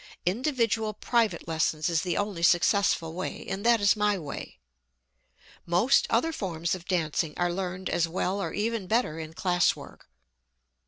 Individual private lessons is the only successful way, and that is my way. Most other forms of dancing are learned as well or even better in classwork.